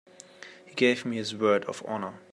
He gave me his word of honor.